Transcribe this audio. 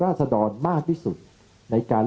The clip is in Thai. และการแสดงสมบัติของแคนดิเดตนายกนะครับ